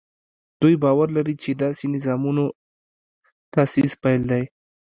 دوی باور لري چې داسې نظامونو تاسیس پیل دی.